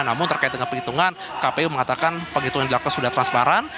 namun terkait dengan penghitungan kpu mengatakan penghitungan dilakukan sudah transparan